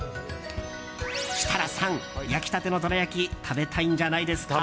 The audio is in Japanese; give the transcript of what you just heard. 設楽さん、焼きたてのどら焼き食べたいんじゃないですか？